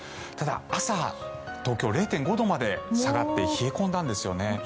ただ、朝東京、０．５度まで下がって冷え込んだんですよね。